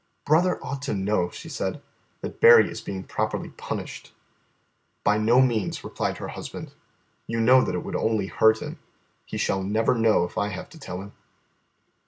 "Brother ought to know," she said, "that Berry is being properly punished." "By no means," replied her husband. "You know that it would only hurt him. He shall never know if I have to tell him."